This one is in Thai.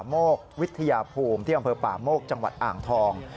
โมกวิทยาภูมิที่อำเภอป่าโมกจังหวัดอ่างทอง